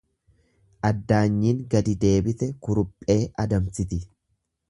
Addaanyiin gadi deebite kuruphee adamsiti.